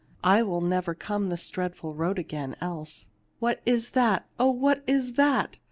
I will never come this dreadful road again, else. What is that ? Oh, what is that